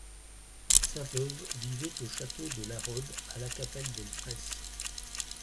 Sa veuve vivait au château de La Rodde à Lacapelle-del-Fraisse.